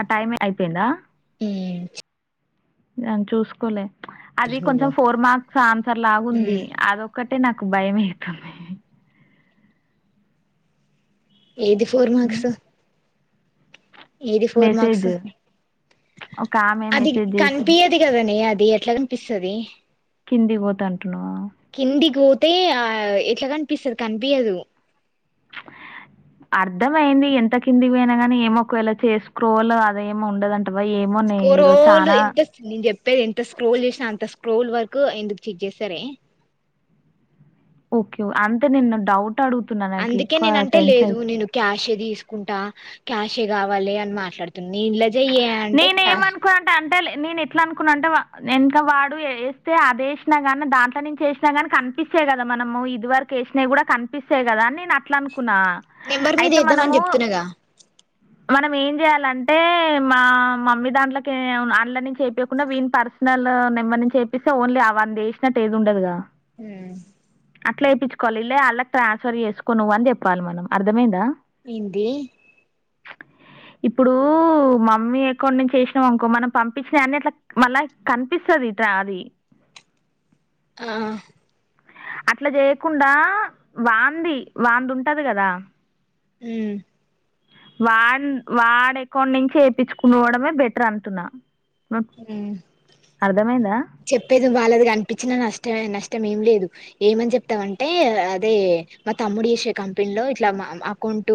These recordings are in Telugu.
ఆ టైమ్ ఏ అయిపోందా ఊ దాని చూసుకోలే అది నువ్వు కొంచెం ఫోర్ మార్క్స్ ఆన్సర్ లాగా ఉంది. అదొక్కటి అంటే నాకు భయమేతంది ఏది ఫోర్ మార్క్స్ ఏది ఫోర్ మార్క్స్ మెసేజ్ ఒక ఆమె అది మెసేజ్ చేసింది కనిపియ్యదు కదనే అది అది ఎట్ల కనిపిస్తది కిందికి పోతా అంటున్నా కిందికి పోతే ఆ ఎట్ల కనిపిస్తది కనిపియ్యదు అర్థమైంది. ఎంత కిందికి పోయినా గాని ఏమో ఒకవేళ చేసుక్రోలో అదేమో ఉండదన్ స్కోరోల్డు ఇంట్రెస్ట్ నేను చెప్ పే ఎంత స్క్రోల్ చేసిన అంత స్క్రోల్ వర్క్ ఎందుకు చెక్ చేస్తారే ఓకే ఓ అంతా నేన్న డౌట్ అడుగుతున్నా నాకు అందుకే ఎక్కువ నేను అంటే టెన్స్ లేదు అయితు నేను క్యాష్ ఏ తీసు కుంటా క్యాషే కావాలే అని మాట్లాడుతు నేను చెయ్యే అంటే నేనే ఏమనుకునా అం అంటే నేను ఎట్లా అనుకున్నా అంటే వా నేను ఇంక వాడు వేస్తే అదేసినా కానీ దాంట్లో నుంచి వేసినా కానీ కన్ పిస్తయి కదా మనము ఇది వరకు వేసినవి కూడా కనిపిస్తాయి కదా నేను అట్లా అను కున్న నెంబర్ మీద అయితే వేద్దామని మనము చెప్తున్నాగా మనం ఏం చేయాలంటే మా మమ్మీ దాంట్లకే అల్లా నుంచి వేపియ్యకుండా వీని పర్సనల్ నెంబర్ నుంచి వేపిస్తే ఓన్లీ అవ వానిది వేసినట్టు ఏది ఉండదుగా హ్ అట్లా ఏపించుకోవాలి ఇల్లాయ్ అళ్లాకి ట్రాన్స్ఫర్ చేసుకో నువ్వు అని చెప్పాలి మనం అర్థమైందా ఏందీ ఇప్పుడు మా మమ్మీ అకౌంట్ నుంచి వేసినా అనుకో మనం పంపించిన అన్ని ఏట్లా మళ్ళా కనిపిస్తది ట్రా అది ఆ అట్లా చేయకుండా వాంది వానీది ఉంటది కదా ఉమ్ వాన్ వాడ్ ఎకౌంట్ నుంచి ఎపించుకోవడమే బెటర్ అంటున్నా ఉమ్ అర్ధమైందా చెప్పేది వాళ్ళది కనిపించిన నష్టమే నష్టం ఏం లేదు ఏమని చెప్తామంటే అదే మా తమ్ముడు చేసే కంపెనీ లో ఇట్లా మా అకౌంట్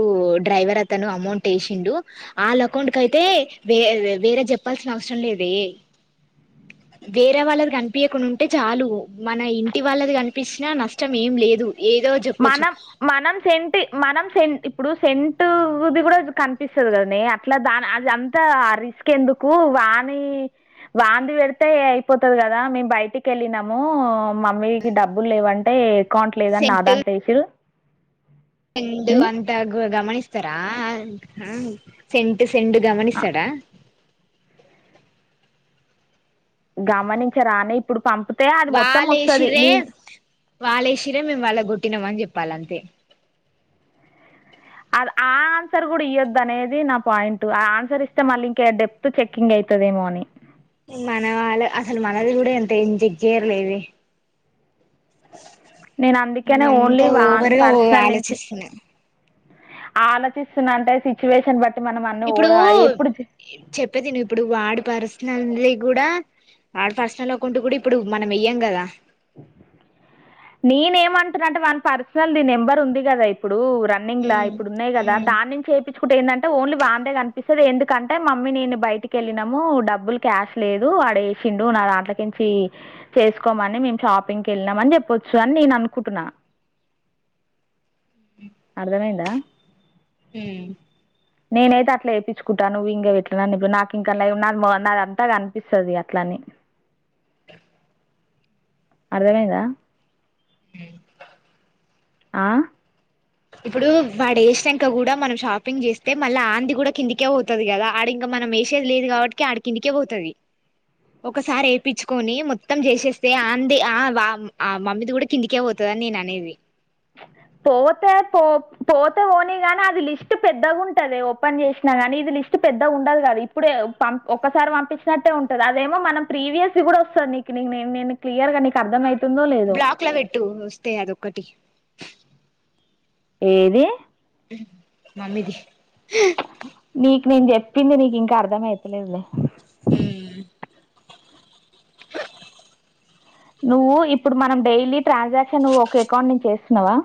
డ్రైవర్ అతను అమౌంట్ వేసిండు అల్లకు అకౌంట్ అయితే వే వేరే చెప్పాల్సిన అవసరం లేదే వేరే వాళ్ళది కనిపియ్యకుండా ఉంటే చాలు మన ఇంటి వాళ్ళది కనిపించినా నష్టం ఏం లేదు ఏదో చెప్పొచ్చు మనం మనం సెంటి మనం సెంటి ఇప్పుడు సేంట్ ది కూడా కనిపిస్తది కదా నే అట్లా దాని అది అంతా ఆ రిస్క్ ఎందుకు కానీ వానిది పెడితే అయిపోతది కదా మేము బయటికి వెళ్ళినాము మమ్మీకి డబ్బులు లేవంటే అకౌంట్ లేదని నా సెంటు దాంట్లో ఏసిల్లు సెండు అంత గో గమనిస్తారా సెంట్ సెండ్ గమనిస్తాడా గమనించ రానే ఇప్పుడు పంపు వాళ్ళు ఏసిర్రే వాళ్ళు ఏసిర్రే మేము వాళ్ళ కొట్టినాం అని చెప్పాల అంతే అది ఆ ఆన్సర్ కూడా ఇయ్యొద్దు అనేది నా పాయింట్ ఆ ఆన్సర్ ఇస్తే మళ్ళీ ఇంక డెప్త్ చెకింగ్ అయి త్తదేమో అని ఉ మన వాళ్ళు అసలు మనది కూడా ఎంత చెక్ చెయ్యరు లేవే [inaudible] నేను అందుకెనే ఓన్లీ వాన్ పర్సనల్ నుంచి ఆలోచిస్తున్నా ఆలోచిస్తున్నా అంటే సిచ్యువేషన్ బట్టి మనం అన్నీ ఇప్పుడు ఓవర్ ఎప్పుడు చే- ఇ చెప్పేది నువ్వు ఇప్పుడు వాడి పర్స్ నంది కూడా వాడి పర్సనల్ అకౌంట్ కూడా ఇప్పుడు మనం వెయ్యాం కదా నేను ఏమంటున్నాంటే వాన్ పర్సనల్ ది నెంబర్ ఉంది కదా ఇప్పుడు రన్నింగ్ లా ఇప్పుడు ఉన్నాయి కదా దాని నుంచి ఎపి చు కుంటే ఏంటంటే ఓన్లీ వాన్ దే కనిపిస్తంది ఎందుకంటే మమ్మీ నేను బయటికి వెళ్ళినము డబ్బులు క్యాష్ లేదు వాడేసిండు నా దాంట్లోకించి చేసుకోమని మేము షాపింగ్కి వెళ్ళాంమని చెప్పొచ్చు సో అని నేను అనుకుంటున్నా అర్థమైందా ఉమ్ నేనైతే అట్లా వేయించుకుంటా నువ్వు ఇంకెట్నన్న ఇప్పుడు నాకు ఇంకా నాద అంతా అనిపిస్తుంది అట్ల అని అర్థమైందా ఆ ఇప్పుడు వాడేసినాక కూడ మనం షాపింగ్ చేస్తే మళ్ళ ఆంది కూడా కిందకే పోతుంది కదా ఆడి ఇంకా మనం వేసేది లేదు కాబట్టి ఆడికిందటికే పోతుంది ఒకసారి వేపిచ్కొని మొత్తం చేసేస్తే ఆంది ఆ ఆ మమ్మీది కూడ కిందకే పోతుంది గానీ ననేవి పోతే పో పోతే పోనీ గాని అది లిస్ట్ పెద్దగా ఉంటదె ఓపెన్ చేసినా గానీ ఇది లిస్ట్ స్టు పెద్దగ ఉండదు గాది ఇప్పుడే పం ఒకసారి పంపించినట్టే ఉంటది అదేమో మనం ప్రీవియస్ి కూడ వస్తుంది నీకు నే క్లియర్ గాీ నీకె అర్థమ అయింది బ్లాక్ లో పెట్టు వస్తే అది ఒక్కటి ఏది మమ్మీది నీకు నేను చెప్పింది నీకు ఇంకా అర్ధం అయితలేద్లె ఉమ్ నువ్వు ఇప్పుడు మనం డైలీ ట్రాన్సక్షన్ నువ్వు ఒకె అకౌంట్ నుంచి చేస్తున్నవా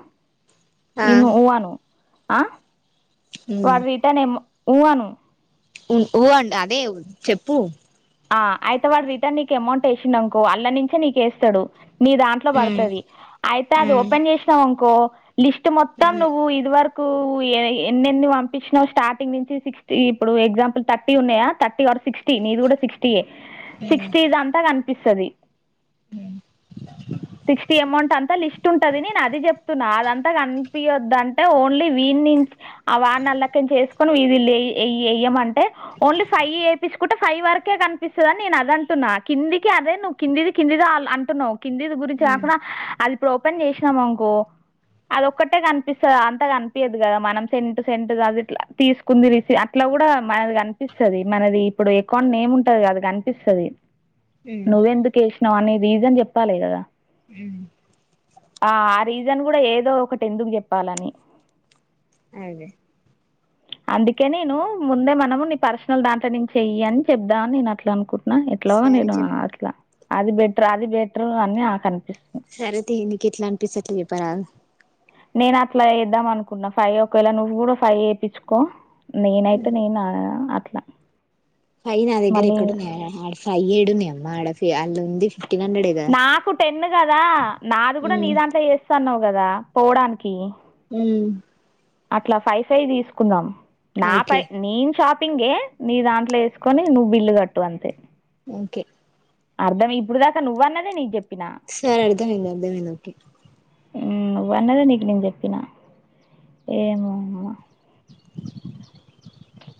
ఆ ఇ నువ్ ఊ అను ఆ వాడు రిటనేమ్మ ఊ అను ఉ ఊ అంట అదే చెప్పు ఆ అయితే వాడ్ రిటర్న్ నీకు అమౌంట్ వేసిండడునుకో అల్ల నుంచే నీక వేస్తాడు మీ దాంట్లో పడుతుది అయితే అది ఓపెన్ చేసినావు అనుకో లిస్ట్ మొత్తం నువ్వు ఇది వరకు ఎన్ని ఎన్ని పంపించినా్ స్టార్టింగ్ నుంచి సిక్స్టీ ఇప్పుడు ఎగ్జాంపుల్ థర్టీ ఉన్నాయా థర్టీ సిక్స్టీ నీది కూడ సిక్స్టీప సిక్స్టీ ఇది అంతా కనిపిస్తుది అ సిక్స్టీ అమౌంట్ అంతా లిస్ట్ ఉంటంది నేను అది చెప్తున్నా అదంతా పెయొద్దంటే ఓన్లీ వీడి నుంచి ఆ వాడిల్లకని చేసుకుొని వ వయ్యమంట ఓన్లీ ఫైవ్ వేపించుకుంటే ఫైవ్ వరకే కను అన్పిస్తదని నేను అద అంటున్నా కిందికి అదే నువ్ కిందిది కిందిది అంటున్నావ్ కింది గురించి కాకుండా అది ఇప్పుడు ఓపెన్ చేసినాం అనుకో అది ఒక్కటే కనిపిస్తది అంతా కనిపియదు కదా మనం సెంట్ సెంటట్ అది ఇట్లా తీసుకు తినిసి అట్లా కూడ మనది కనిపిస్తది మనది ఇప్పుడు ఎకౌంట్ ఏముంటే టది గదా కనిపిస్తుది నువ్వెందుకు వేసినావు అనే రీజన్ చెప్పాలి కదా ఆ అరీ ఇదని కుడ ఏదో ఒకటి ఎందుకు చెప్పాలని అదే అందుకే నేను ముందే మనము నీ పర్సనల్ దాంట్లో నుంచి చెయ్యి అని చెప్దాంని నేను అట్లా సరే చెప్ అనుకుంటన్నాను అది బెటర్ అది బెటర్ అని నాక్ అనిపిస్తుంది సరే తీ నీకు ఎట్లా అనిపిస్తే అట్లా చెప్పరాదు నేను అట్ల వేద్దాం అనుకున్నా ఫైవ్ ఒకవేళ నువ్వు కూడా ఫైవ్ వపించుకో నెనయితే నేనా అయి నా దగ్గర ఎక్కడున్న్య్ ఆ పై్యడునేమ్మా ఆడ అళ్ళు ఉంది తెనండడె ఇగ ఉన్న కదా నాది కూడా నీ దాంతా చేస్తున్నావు కదా పోడానికి ఉ అట్ల ఫైవ్ ఫైవ్ తీసుకుందాం ఓకే నాపైై నేను షాప్ పింగే నీ దాంట్లో వేసుకొని నువ్వు బిల్లు కట్టు అంతే ఇంకే అర్థం ఇప్పుడు దాక నువ్వన్నదే నీ క్ చెప్ సరే అర్ధమైంది అర్ధమైంది ఓకె నువ్వన్నదే నీకు నేన్ చెప్పిన ఏమో మ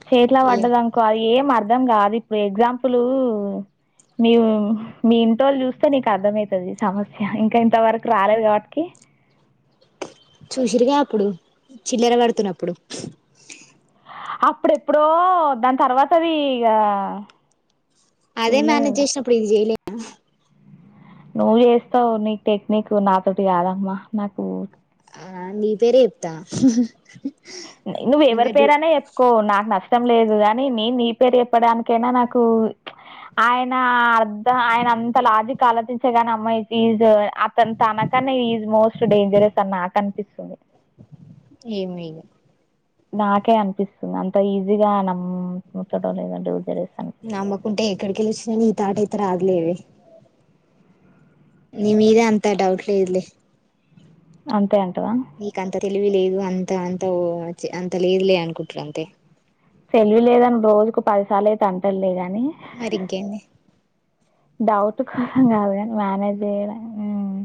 చేట్ల పడ్డదనుకో అది ఏం అర్ధం కాదు ఇప్పుడు ఎగ్జాంపులు మీ మీ ఇంటోళ్ళు చూస్తే నీకు అర్థమయితది సమస్య ఇంక ఇంతవరకు రాలేదు కాబట్టికి చూసిరిగ అప్పుడు చిల్లెర కడుతున్నప్పుడు అప్పుడెప్పుడో దాని తర్వాతది ఇగ అదే మేనేజ్ చేసినప్పుడు ఇది చేయలేవా నువ్వు చేస్తావ్ నీక్ టెక్నిక్ నాతోటి కాదమ్మా నాకు నీ పేరే చెప్తా నువ్వు నువ్వే ఎవరి డు పేరన్న చెప్పుకో నాకు న ఇష్టం లేదు కాని నే నీ పేరు చెప్పడానికైనా నాకు ప్చ్ ఆయన అర్ధ ఆయన అంత లాజిక్ ఆలోచంచగానే అమ్మాయి ఈజ్ అతను తనకన్న ఈజ్ మోస్ట్ డేంజరస్ అని నాకు అనిపిస్తుంది ఏమ్ ఇగ నాకే అనిపిస్తుంది అంత ఈజీగా నమ్ మ్ముతడో లేదో అని డౌట్ పెరుగుతుంది దాటైతే రాడ్ లేవే నీ మీద అంత డౌట్ లేదులే అంతే అం నీకంత తెలివి లేదు అంత అంత అంత లేదు లే అనుకుంటరు అంతే తెలివి లేదని రోజుకు పదిసార్లు అయితే అంటడు లే గా నీ మరి ఇంకేంది డౌట్ కోసం కాదు కాని మేనేజ్ ఏడ ఉమ్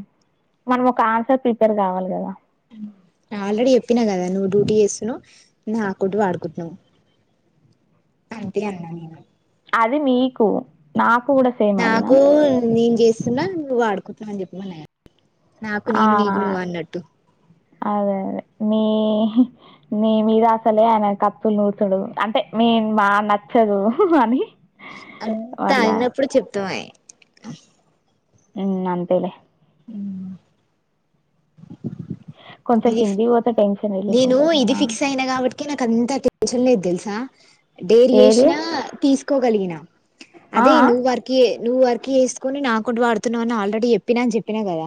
మనం ఒక ఆన్సర్ ప్రిపేర్ కావాలి కదా ఆల్రెడీ చెప్పిన కదా నువ్వు డ్యూటీ చేస్తున్నావు నా అకౌంట్ వాడుకుంటున్నావ్ అంతే అన్న నేను అది మీకు నాకు కూడా సేమ్ అదేనా స్తున్నా నువ్వు వాడుకుంటునవని చెప్పమన్న కదా నాకు ఆ నేను నీకు నువ్వన్నట్టు అదే అదే మీ నీ మీద అసలే ఆయన కత్తులు నూర్తడు అంటే మీ మా నచ్చదు అని అంత వాళ్ళ అయినప్పుడు చెప్తా మే ఉమ్ అంతేలే ఉమ్ కొంచెం ఇది కిందికి పోతే టెన్షన్ రిలీఫ్ నేను ఉంటుంది ఇది ఫిక్స్ అయిన కాబట్టి నాక్ అంత టెన్షన్ లేదు తెలుసా డేర్ ఏది చేసినా తీసుకోగలిగిన ఆ అదే ఆ నువ్ వర్క్ ఏ నువ్వు వర్క్ చేసుకుని నా అకౌంట్ వాడుతున్నావు అని ఆల్రెడీ చెప్పినా అని చెప్పినా కద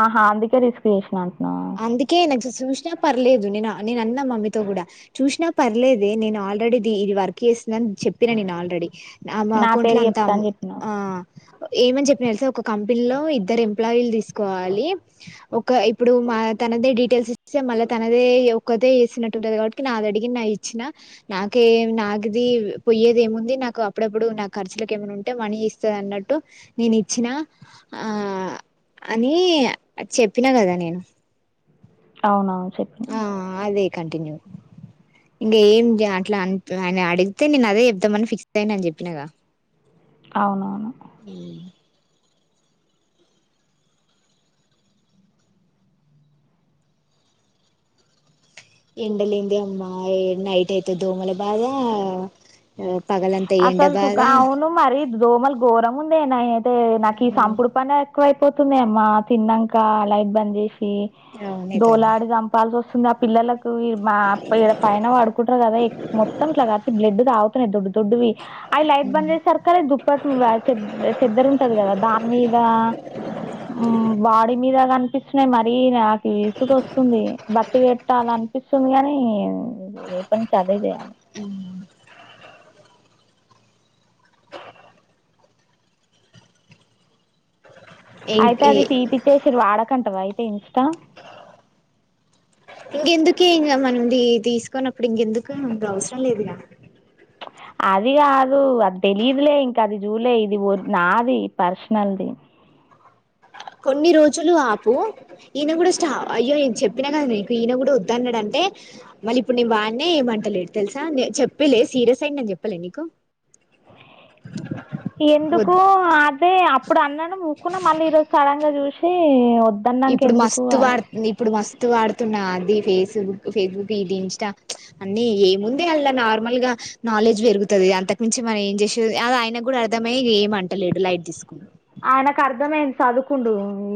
ఆహా అందుకే రిస్క్ చేసిన అంటన్నా అందుకే నజు సూషినా పర్లేదు నేను నేనన్న మమ్మీతో గూడా చూసినా పర్లేదే నేను ఆల్రెడీది ఇది వర్క్ చేస్తుందని చెప్పిన నేను ఆల్రెడీ ఆమె నా అకౌంట్ల పేరు అంత చెప్తా అని చెప్పినావు ఆ ఏమని జెప్పిన తెలుసా ఒక కంపెనీలో ఇద్దరు ఎంప్లాయిలన్ని తిసుకోవాలి ఒక ఇప్పుడు మా తనదే డీటెయిల్స్ ఇస్తే మళ్ళీ తనదే ఒక్కతే చేేసినట్టు ఉంటది కాబట్టి నాది అడిగి నా ఇచ్చిన నాకేం నాకిది పొయ్యేది ఏముంది నాకు అప్పుడప్పుడు నా ఖర్చులకు ఏమన్న ఉంటే మనీ ఇస్తది అన్న టొ నేనిచ్చిన ఆ అని చెప్పినా గదా నేను అవునా ఆ అదే కంటిన్యూ ఇంగ ఏం జ అట్లా అన్ అయాన అడిగితే నేన్ అదే జెప్తామని ఫిక్స్ అయినా అని జెప్పినగా అవునవును ఎండలేందె అమ్మా ఎ నైట్ అయితె దోమల బాధ ఆ అసల్ సుకా అవును మరి దోమల్ గోరం ఉండే నాఅయితే నాకి సంపుడు పనే అ ఎక్కువయిపోతుంది అమ్మా తిన్నాక లైట్ బంద్ చేసి అవునే తల్లి దోలాడి చంపాల్సి వస్త చిన్న పిల్లలకు మా పైన పడుకుంటారు కదా మొత్తం ఇట్లా కలిసి బ్లడ్ తాగుతున్నాయి దొడ్ వి అవి లైట్ బంద్ చేసారు కదా దుప్పటి చె చెద్దరు ఉంటది కదా దాని మీద ఉమ్ బాడి మీద గని అనిపిస్తున్నాయి మరీ నాకు విసుగు వస్తుంది బతి పెట్టాల అనిపిస్తుంది కాని ఏ రేపటి నుంచి అదే చేయాలే అయితే ఇంకే అది తీపిచ్చేసిర్రు వాడకంటావా అయితే ఇంస్టా ఇంకెందుకే ఇంకా మనం తీసుకున్నప్పుడు ఇంకెందుకు ఇంగ అవసరం లేదు గా అది కాదు అది తెలీదులే ఇంకా అది చూళ్ళే ఇది నాది పర్సనల్ది కొన్ని రోజులు ఆపు ఈయన కూడా స్టా అయ్యో నేను చెప్పినా కదా నీకు ఈయన కూడా వద్దన్నాడంటే మళ్ళీ ఇప్పుడు నేను వాడిన ఏమంటలేడు తెలుసా చెప్పలే సీరియస్ అయ్యిండు అని చెప్పలే నీకు ఎందుకు వద్దు అదే అప్పుడు అన్నాను ఊకున్నా మళ్ళీ ఈరోజు సడన్ గా చూసి వ ఇప్పుడు మస్తు వాడు ఇప్పుడు మస్తు వాడుతున్నా అది ఫేస్బుక్ ఫేస్బుక్ ఇది ఇన్స్టా ప్చ్ అన్ని ఏముంది అళ్ళ నార్మల్ గా నాలెడ్జ్ పెరుగుతది అంతకు మించి మనం ఏం చేసే అది ఆయన కూడా అర్థమయ్య ఏమంటలేడు లైట్ తీసుకుని ఆయనకు అర్థమైంది చదువుకుండు